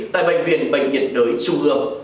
tại bệnh viện bệnh nhiệt đới trung ương